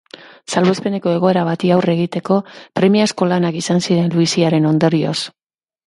Salbuespeneko egoera bati aurre egiteko premiazko lanak izan ziren luiziaren ondorioz.